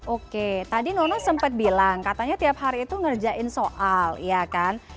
oke tadi nono sempat bilang katanya tiap hari itu ngerjain soal ya kan